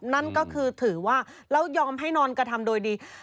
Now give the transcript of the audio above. นั่นก็คือถือว่าแล้วยอมให้นอนกระทำโดยดี